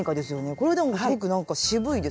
これでもすごくなんか渋いですね。